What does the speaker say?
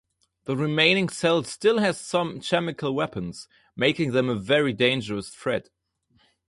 The remaining cell still has some chemical weapons, making them a very dangerous threat.